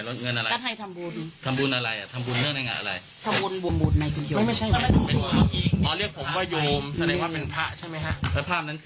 เป็นผู้หญิงเป็นผู้หญิงแล้วทำไมต่างกายแบบนี้